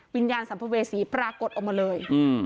วิญญาณสัมภเวษีปรากฏออกมาเลย